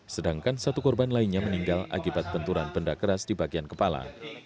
sedangkan satu korban lainnya meninggal akibat benturan benda keras di bagian kepala